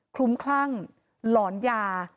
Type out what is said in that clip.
ลุ้มคลั่งหลอนยา